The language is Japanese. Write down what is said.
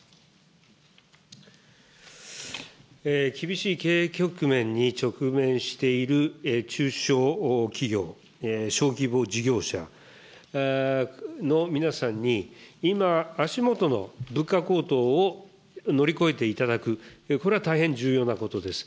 厳しい経営局面に直面している中小企業・小規模事業者の皆さんに、今足下の物価高騰を乗り越えていただく、これは大変重要なことです。